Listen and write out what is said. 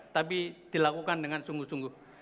tapi dilakukan dengan sungguh sungguh